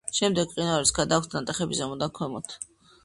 შემდეგ მყინვარებს გადააქვთ ნატეხები ზემოდან ქვემოთ.